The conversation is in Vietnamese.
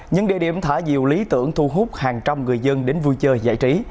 những địa điểm thả diều lý tưởng thu hút hàng trăm người dân đến vui chơi giải trí